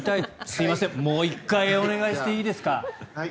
すいませんもう一回お願いしていいですか？